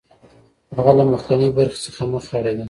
هغه له مخکینۍ برخې څخه مخ اړوي